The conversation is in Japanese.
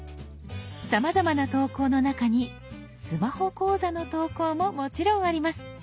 さまざまな投稿の中にスマホ講座の投稿ももちろんあります。